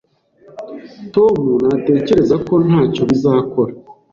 Tom ntatekereza ko ntacyo bizakora